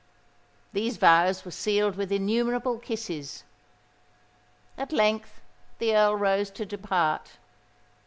These vows were sealed with innumerable kisses. At length the Earl rose to depart.